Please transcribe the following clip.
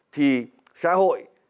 thì xã hội